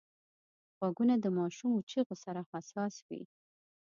غوږونه د ماشومو چیغو سره حساس وي